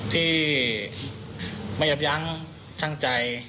ที่ไม่ยอมยั้งชั่งใจ